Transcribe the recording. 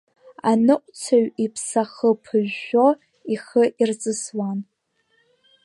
Аныҟәцаҩ иԥсахы ԥыжәжәо ихы ирҵысуан.